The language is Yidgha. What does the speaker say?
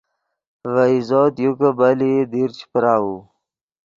ڤے عزوت یو کہ بلئیت دیر چے پراؤو